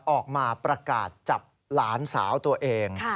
ออกมาประกาศจับหลานสาวตัวเอง